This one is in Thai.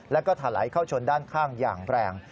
แล้วก็ถลายเข้าชนด้านข้างอย่างแรง